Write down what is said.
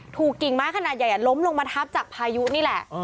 กิ่งไม้ขนาดใหญ่ล้มลงมาทับจากพายุนี่แหละ